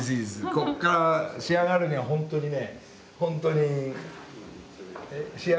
ここから仕上がるには本当にね